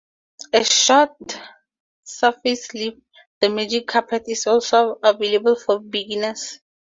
A short surface lift, the "Magic Carpet", is also available for beginners.